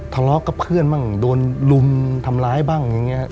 ทะเลาะกับเพื่อนบ้างโดนลุมทำร้ายบ้างอย่างนี้